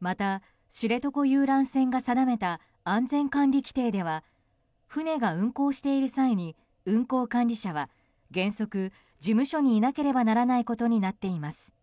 また、知床遊覧船が定めた安全管理規程では船が運航している際に運航管理者は原則、事務所にいなければならないことになっています。